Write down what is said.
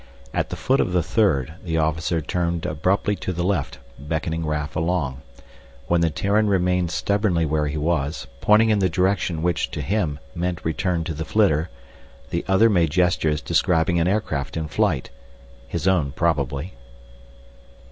At the foot of the third the officer turned abruptly to the left, beckoning Raf along. When the Terran remained stubbornly where he was, pointing in the direction which, to him, meant return to the flitter, the other made gestures describing an aircraft in flight. His own probably.